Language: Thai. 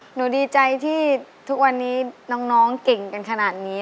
หนูดีใจที่ทุกวันนี้น้องเก่งกันขนาดนี้